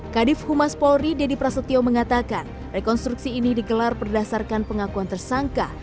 kadif humas polri deddy prasetyo mengatakan rekonstruksi ini digelar berdasarkan pengakuan tersangka